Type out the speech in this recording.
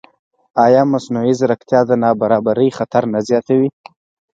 ایا مصنوعي ځیرکتیا د نابرابرۍ خطر نه زیاتوي؟